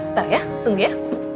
ntar ya tunggu ya